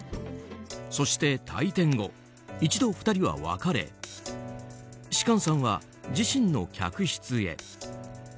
そして、退店後一度２人は別れ芝翫さんは自身の客室へ。